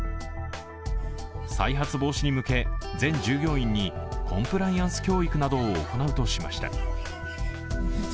再発防止に向け、全従業員にコンプライアンス教育などを行うとしました。